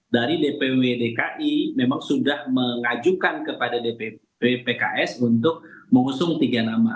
dari dpw dki memang sudah mengajukan kepada dpp pks untuk mengusung tiga nama